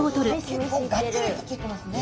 結構がっちりくっついていますね。